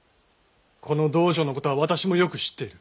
この道場のことは私もよく知っている。